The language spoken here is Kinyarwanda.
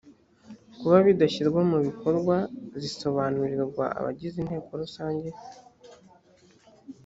kuba bidashyirwa mu bikorwa zisobanurirwa abagize inteko rusange